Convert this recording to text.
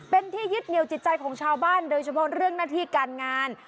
เป็นที่ยึดเหนียวจิตใจของชาวบ้านโดยเฉพาะเรื่องหน้าที่การงาน